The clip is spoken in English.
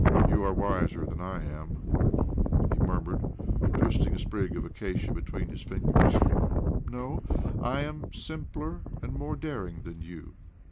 " You are wiser than I am," he murmlired, twisting a sprig of acacia between his fingers. " No, I am simpler and more daring than you.